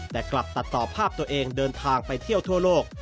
แต่กลับตัดต่อภาพตัวเองเดินทางไปเที่ยวทั่วโลก